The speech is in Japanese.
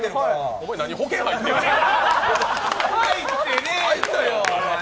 お前、何、保険入ってんねん！